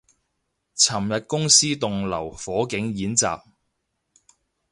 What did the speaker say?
尋日公司棟樓火警演習